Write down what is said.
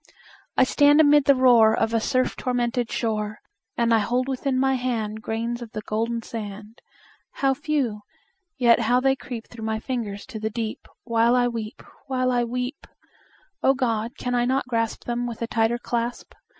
I stand amid the roar Of a surf tormented shore, And I hold within my hand Grains of the golden sand How few! yet how they creep Through my fingers to the deep While I weep while I weep! O God! can I not grasp Them with a tighter clasp?